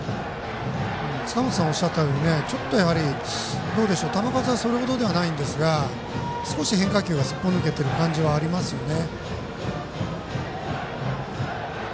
塚本さんがおっしゃったように球数はそれほどではないんですが少し変化球がすっぽ抜けてる感じはありますね。